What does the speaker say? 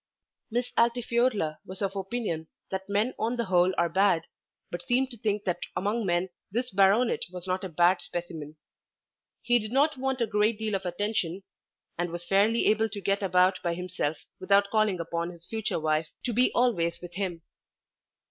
Miss Altifiorla was of opinion that men on the whole are bad, but seemed to think that among men this baronet was not a bad specimen. He did not want a great deal of attention and was fairly able to get about by himself without calling upon his future wife to be always with him.